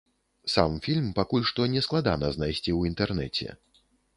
Сам фільм пакуль што не складана знайсці ў інтэрнэце.